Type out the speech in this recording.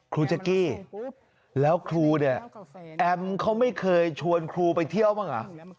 แจ๊กกี้แล้วครูเนี่ยแอมเขาไม่เคยชวนครูไปเที่ยวบ้างเหรอ